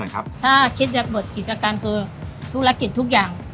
ร้องครับต้องกดจับรอบนึง